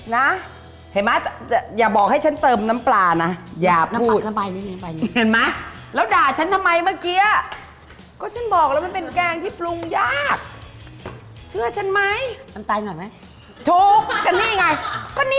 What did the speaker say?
นะเห็นมั้ยอย่าบอกให้ฉันเติมน้ำปลาน่ะอย่าพูดน้ำปลาไป